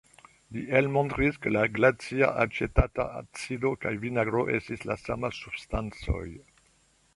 Li elmontris ke la glacia acetata acido kaj vinagro estis la sama substancoj.